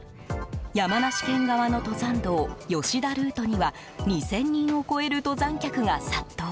山梨県側の登山道吉田ルートには２０００人を超える登山客が殺到。